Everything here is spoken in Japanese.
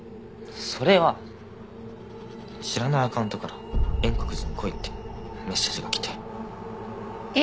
それは知らないアカウントから円国寺に来いってメッセージが来て。